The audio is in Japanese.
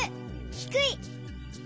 「ひくい」。